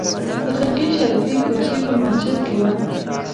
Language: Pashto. په خرقې شریفې کوڅې په مسجد کې وه.